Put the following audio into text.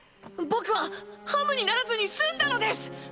僕はハムにならずに済んだのです！